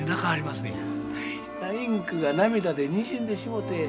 インクが涙でにじんでしもて。